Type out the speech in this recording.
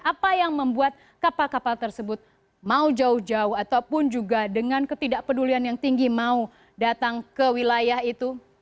apa yang membuat kapal kapal tersebut mau jauh jauh ataupun juga dengan ketidakpedulian yang tinggi mau datang ke wilayah itu